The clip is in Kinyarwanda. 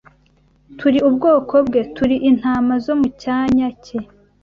Turi ubwoko bwe, turi intama zo mu cyanya cye